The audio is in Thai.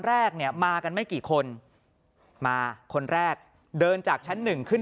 แรกเนี่ยมากันไม่กี่คนมาคนแรกเดินจากชั้นหนึ่งขึ้น